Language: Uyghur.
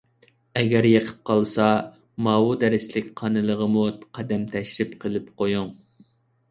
ئەگەر يېقىپ قالسا، ماۋۇ دەرسلىك قانىلىغىمۇ قەدەم تەشرىپ قىلىپ قويۇڭ.